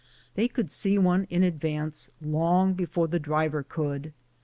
They could see one in advance long before the driver could.